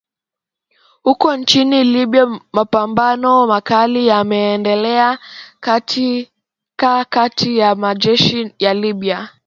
huko nchini libya mapambano makali yameendelea katika kati ya majeshi ya libya